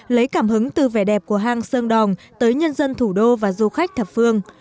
lấy cảm hứng từ vẻ đẹp của hang sơn đòn tới nhân dân thủ đô và du khách thập phương